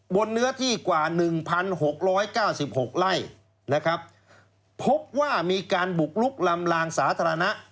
เนื้อที่กว่าหนึ่งพันหกร้อยเก้าสิบหกไล่นะครับพบว่ามีการบุกลุกลำลางสาธารณะ